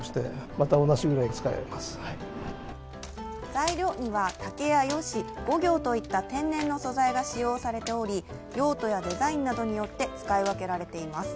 材料には竹やよし、御形といった天然の素材が使用されており用途やデザインによって使い分けられています。